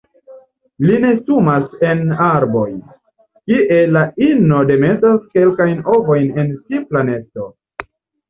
Ili nestumas en arboj, kie la ino demetas kelkajn ovojn en simpla nesto.